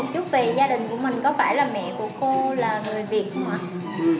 cũng không biết là